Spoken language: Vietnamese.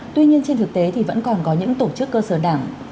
tuy nhiên trên thực tế thì vẫn còn có những tổ chức cơ sở đảng